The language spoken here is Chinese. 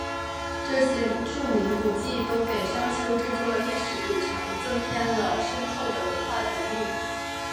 这些著名古迹都给商丘这座历史古城增添了深厚的文化底蕴。